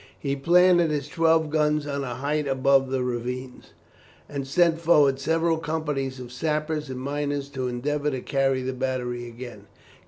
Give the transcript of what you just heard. He planted his twelve guns on a height above the ravines, and sent forward several companies of sappers and miners to endeavour to carry the battery again.